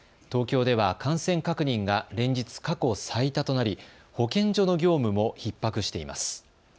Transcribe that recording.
東京では感染確認が連日過去最多となり保健所の業務もひっ迫しています。